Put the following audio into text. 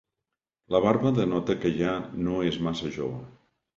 La barba denota que ja no és massa jove.